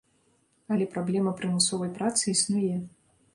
Але праблема прымусовай працы існуе.